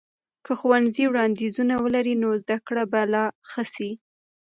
که ښوونځي وړاندیزونه ولري، نو زده کړه به لا ښه سي.